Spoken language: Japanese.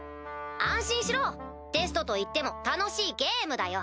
安心しろテストといっても楽しいゲームだよ。